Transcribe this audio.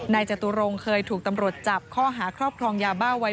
จตุรงเคยถูกตำรวจจับข้อหาครอบครองยาบ้าไว้